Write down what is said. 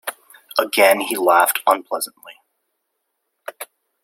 Again he laughed unpleasantly.